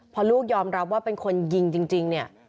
พอลูกยอมรับว่าเป็นคนยิงจริงเนี่ย